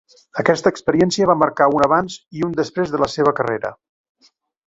Aquesta experiència va marcar un abans i un després en la seva carrera.